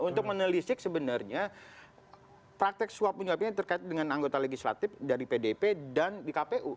untuk menelisik sebenarnya praktek suap menyuap ini terkait dengan anggota legislatif dari pdp dan di kpu